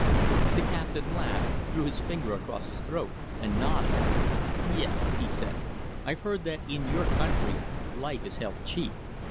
The Captain laughed, drew his finger across his throat, and nodded. "Yes," he said. "I've heard that in your country life is held cheap.